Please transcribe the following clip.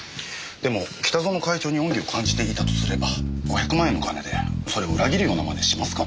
でも北薗会長に恩義を感じていたとすれば５００万円の金でそれを裏切るような真似しますかね？